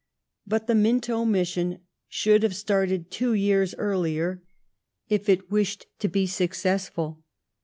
But the Minto mission should have started two years earlier, if it wished to be successful.